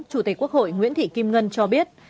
chủ tịch quốc hội nguyễn thị kim ngân cho biết